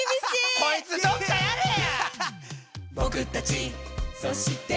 こいつどっかやれや！